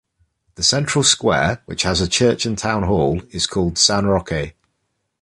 The central square, which has a church and town hall, is called San Roque.